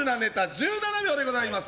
１７秒でございます。